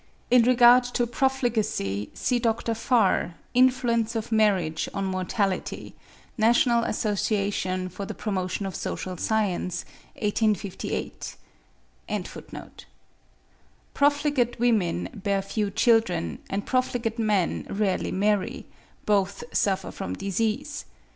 In regard to profligacy, see Dr. Farr, 'Influence of Marriage on Mortality,' 'Nat. Assoc. for the Promotion of Social Science,' 1858.) Profligate women bear few children, and profligate men rarely marry; both suffer from disease.